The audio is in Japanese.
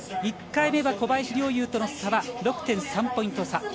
１回目は小林陵侑との差は６．３ポイント差。